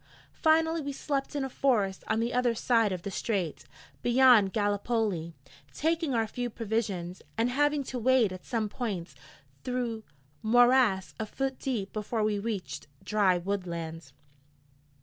Finally we slept in a forest on the other side of the strait, beyond Gallipoli, taking our few provisions, and having to wade at some points through morass a foot deep before we reached dry woodland.